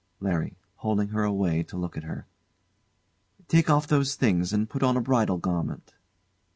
LARRY. [Holding her away to look at her.] Take off those things and put on a bridal garment.